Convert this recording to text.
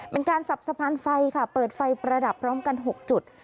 สับสะพานไฟค่ะเปิดไฟประดับพร้อมกัน๖จุด